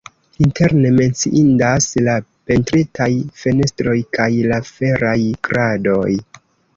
Interne menciindas la pentritaj fenestroj kaj la feraj kradoj.